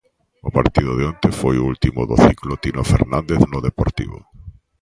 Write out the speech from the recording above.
O partido de onte foi o último do ciclo Tino Fernández no Deportivo.